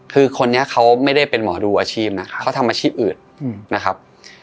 คือคนนี้เขาไม่ได้เป็นหมอดูอาชีพนะเขาทำอาชีพอื่นนะครับ